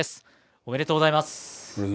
おめでとうございます。